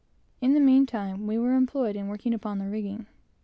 In the mean time we were employed in working upon the rigging.